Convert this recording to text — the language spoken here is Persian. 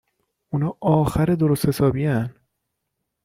.اونا آخر درست حسابین